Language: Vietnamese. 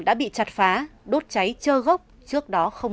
đã bị chặt phá đốt cháy chơ gốc